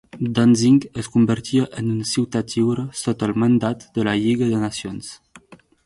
Danzig es convertia en Ciutat Lliure sota el Mandat de la Lliga de Nacions.